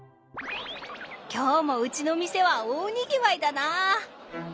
今日もうちの店は大賑わいだな。